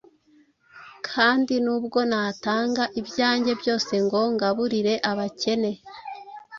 kandi nubwo natanga ibyanjye byose, ngo ngaburire abakene,